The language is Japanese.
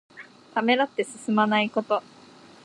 ためらって進まないこと。